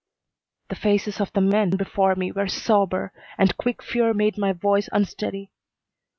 The faces of the men before me were sober, and quick fear made my voice unsteady.